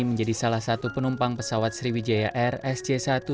menjadi salah satu penumpang pesawat sriwijaya air sj satu ratus dua puluh